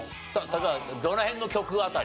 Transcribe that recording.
例えばどの辺の曲辺り？